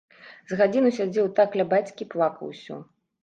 З гадзіну сядзеў так ля бацькі, плакаў усё.